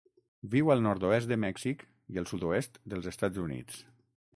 Viu al nord-oest de Mèxic i el sud-oest dels Estats Units.